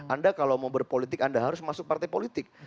anda kalau mau berpolitik anda harus masuk partai politik